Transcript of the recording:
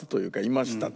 いました。